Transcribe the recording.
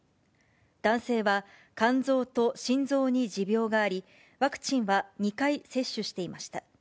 男性は肝臓と心臓に持病があり、ワクチンは２回接種していました。